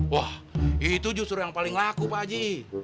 wah itu justru yang paling laku pak haji